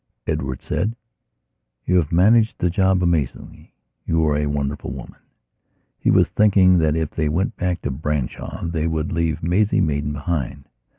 Edward said: "You have managed the job amazingly. You are a wonderful woman." He was thinking that if they went back to Branshaw they would leave Maisie Maidan behind.